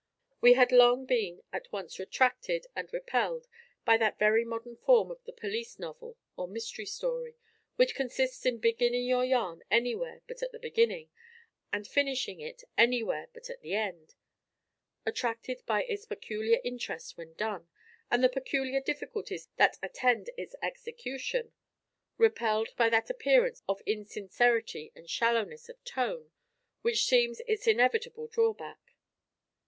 We had long been at once attracted and repelled by that very modern form of the police novel or mystery story, which consists in beginning your yarn anywhere but at the beginning, and finishing it anywhere but at the end; attracted by its peculiar interest when done, and the peculiar difficulties that attend its execution; repelled by that appearance of insincerity and shallowness of tone, which seems its inevitable drawback.